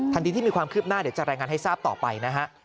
ดีที่มีความคืบหน้าเดี๋ยวจะรายงานให้ทราบต่อไปนะฮะ